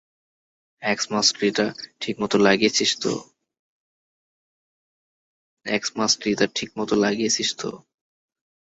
Xmas ট্রি-টা ঠিকঠাক লাগিয়েছিস তো?